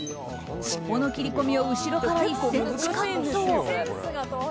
尻尾の切り込みを後ろから１ｃｍカット。